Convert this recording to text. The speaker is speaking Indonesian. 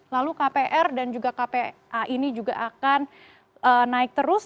lalu kpr dan juga kpa ini juga akan naik terus